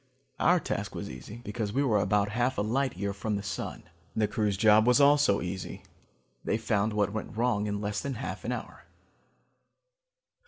Our task was easy, because we were about half a light year from the sun. The crew's job was also easy: they found what went wrong in less than half an hour.